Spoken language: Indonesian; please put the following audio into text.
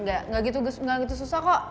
gak gitu susah kok